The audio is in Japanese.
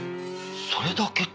それだけって。